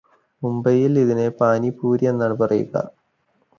മുംബൈയിൽ ഇതിനെ പാനിപൂരിയെന്നാണ് പറയുക